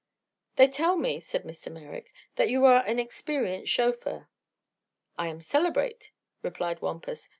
"They tell me," said Mr. Merrick, "that you are an experienced chauffeur." "I am celebrate," replied Wampus.